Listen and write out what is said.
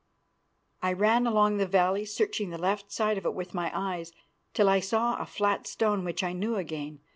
"I ran along the valley, searching the left side of it with my eyes, till I saw a flat stone which I knew again.